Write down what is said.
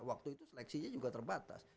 waktu itu seleksinya juga terbatas